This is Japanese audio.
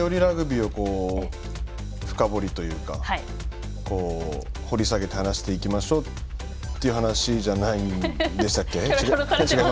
よりラグビーを深掘りというか掘り下げて話していきましょうという話じゃないんでしたっけ？